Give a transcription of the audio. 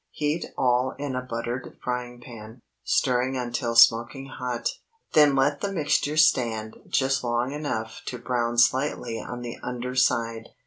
Heat all in a buttered frying pan, stirring until smoking hot; then let the mixture stand just long enough to brown slightly on the under side.